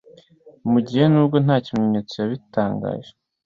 mugihe. (nubwo nta kimenyetso yabitangaje